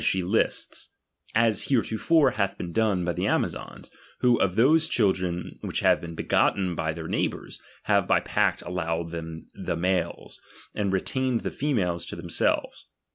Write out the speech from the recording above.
m^ she lists ; as heretofore hath been done by the Amazons, who of those children which have been begotten by their neighbours, have by pact allowed them the males, and retained the females to them selves.